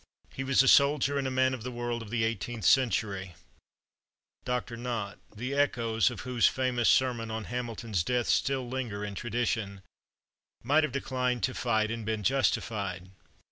He was a soldier and a man of the world of the eighteenth century. Dr. Nott, the echoes of whose famous sermon on Hamilton's death still linger in tradition, might have declined to fight and been justified.